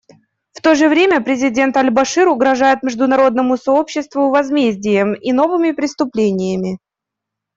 В то же время президент Аль-Башир угрожает международному сообществу возмездием и новыми преступлениями.